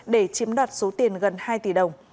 để chiếm đoạt số tiền gần hai tỷ đồng